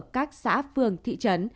các xã phường thị trấn